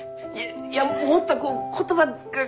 いやもっとこう言葉が。